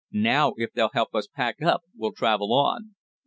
"Now if they'll help us pack up we'll travel on."